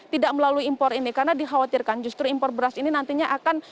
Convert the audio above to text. tidak melalui impor ini karena dikhawatirkan justru impor beras ini nantinya akan